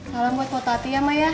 salam buat kota tia maya